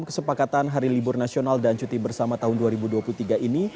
kesepakatan hari libur nasional dan cuti bersama tahun dua ribu dua puluh tiga ini